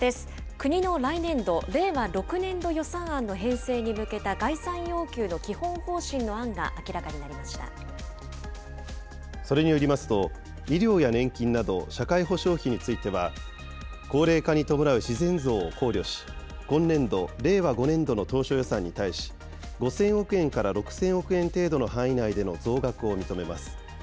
国の来年度・令和６年度予算案の編成に向けた概算要求の基本方針それによりますと、医療や年金など社会保障費については、高齢化に伴う自然増を考慮し、今年度・令和５年度の当初予算に対し、５０００億円から６０００億円程度の範囲内での増額を認めます。